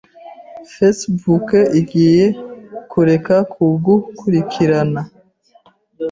Facebook igiye kureka kugukurikirana,